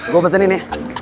gue pesanin ya